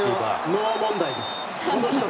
ノー問題です。